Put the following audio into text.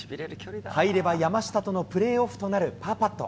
入れば山下とのプレーオフとなるパーパット。